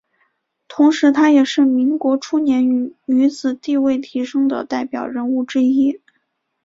同时她也是民国初年女子地位提升的代表人物之一。